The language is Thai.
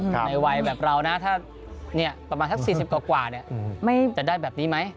ในวัยแบบเรานะถ้าประมาณสัก๔๐กว่าจะได้แบบนี้ไหม